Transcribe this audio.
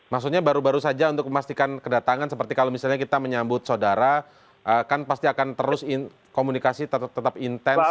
maksudnya baru baru saja untuk memastikan kedatangan seperti kalau misalnya kita menyambut saudara kan pasti akan terus komunikasi tetap intens